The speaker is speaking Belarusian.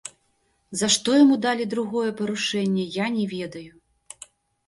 За што яму далі другое парушэнне, я не ведаю.